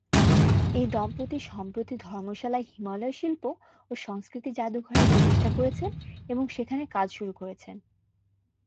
এই দম্পতি সম্প্রতি ধর্মশালায় হিমালয় শিল্প ও সংস্কৃতি যাদুঘরের প্রতিষ্ঠা করেছেন এবং সেখানে কাজ শুরু করেছেন।